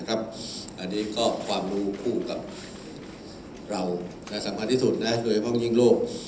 อันนี้ก็ความรู้คู่กับเราสำคัญที่สุดโดยเฉพาะยิ่งโลก